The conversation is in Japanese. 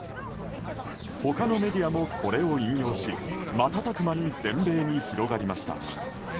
他のメディアもこれを引用し瞬く間に全米に広がりました。